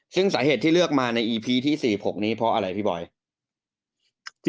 ซึ่งสาเหตุที่เลือกมาในอีพีที่๔๖นี้เพราะอะไรพี่บอย